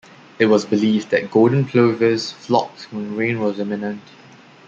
It was believed that golden plovers flocked when rain was imminent.